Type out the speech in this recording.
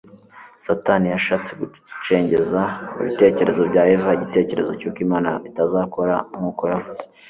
Satani yashatse gucengeza mu bitekerezo bya Eva igitekerezo cy'uko Imana itazakora nkuko yavuze